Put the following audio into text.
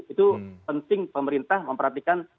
itu penting pemerintah memperhatikan